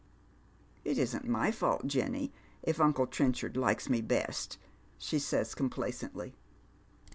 " It isn't my fault, Jenny, if uncle Trenchard likes me best," che says, complacently.